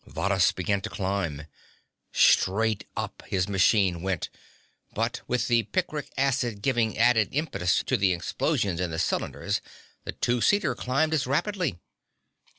Varrhus began to climb. Straight up his machine went, but with the picric acid giving added impetus to the explosions in the cylinders the two seater climbed as rapidly.